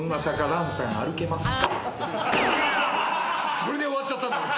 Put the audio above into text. それで終わっちゃったんだもん。